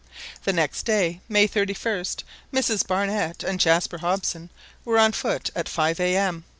The next day, May 31st, Mrs Barnett and Jaspar Hobson were on foot at five A.M.